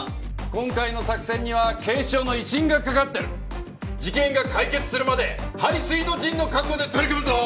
今回の作戦には警視庁の威信がかかってる事件が解決するまで背水の陣の覚悟で取り組むぞ！